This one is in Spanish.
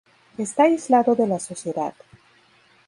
Está aislado de la sociedad.